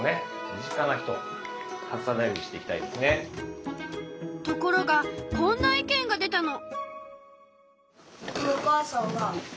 身近な人ところがこんな意見が出たの。